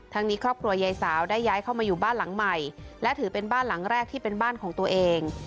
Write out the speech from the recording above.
นี้ครอบครัวยายสาวได้ย้ายเข้ามาอยู่บ้านหลังใหม่และถือเป็นบ้านหลังแรกที่เป็นบ้านของตัวเอง